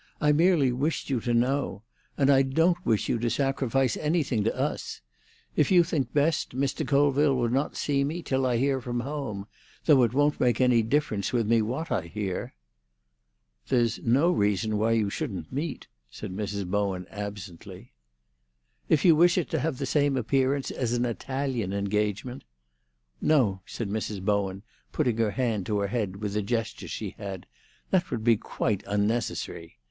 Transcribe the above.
"I merely wished you to know. And I don't wish you to sacrifice anything to us. If you think best, Mr. Colville will not see me till I hear from home; though it won't make any difference with me what I hear." "There's no reason why you shouldn't meet," said Mrs. Bowen absently. "If you wish it to have the same appearance as an Italian engagement——" "No," said Mrs. Bowen, putting her hand to her head with a gesture she had; "that would be quite unnecessary.